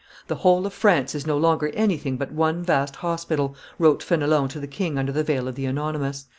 "The whole of France is no longer anything but one vast hospital," wrote Fenelon to the king under the veil of the anonymous.